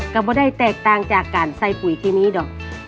ก็ไม่ได้แตกต่างจากอันไสล์ฝุ่ยเท่านี้เดา